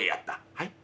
「はい？